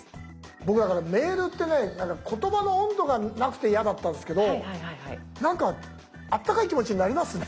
僕だからメールってね言葉の温度がなくて嫌だったんですけどなんかあったかい気持ちになりますね。